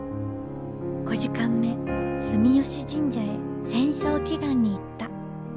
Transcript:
５時間目住吉神社へ戦勝祈願に行った。